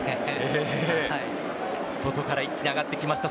外から一気に上がってきた。